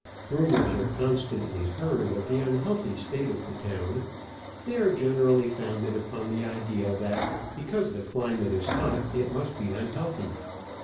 Rumours are constantly heard of the unhealthy state of the town : they are gener ally founded upon the idea that because the climate is hot it must be unhealthy.